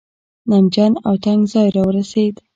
نمجن او تنګ ځای راورسېد.